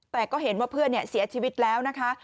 แต่ก็เห็นว่าเพื่อนเสียชีวิตแล้วนะคะ